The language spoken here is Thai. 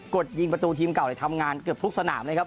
ดยิงประตูทีมเก่าทำงานเกือบทุกสนามนะครับ